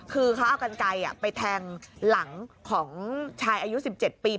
คือเขาเอากันไกลไปแทงหลังของชายอายุ๑๗ปี